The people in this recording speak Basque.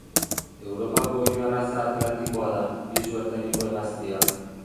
Europako oilo arraza atlantikoa da, pisu ertaineko hegaztia.